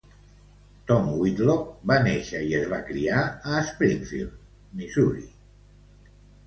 Tom Whitlock va néixer i es va criar a Springfield, Missouri.